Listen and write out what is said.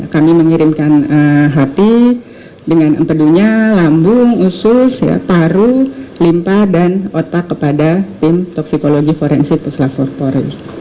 kami mengirimkan hati dengan empedunya lambung usus paru limpa dan otak kepada tim toksikologi forensik puslavor